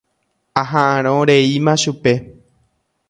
Aha'ãrõ reíma chupe.